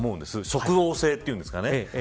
即応性と言うんですかね。